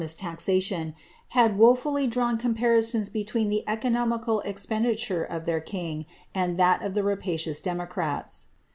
115 •US taxation, had wofuHy drawn compariaons between the eco l expenditure of their king, and that of the rapacious democrats.